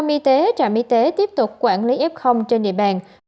y tế trạm y tế tiếp tục quản lý f trên địa bàn